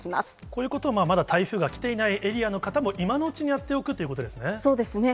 こういうことをまだ台風が来ていないエリアの方も、今のうちにやっておくということですね。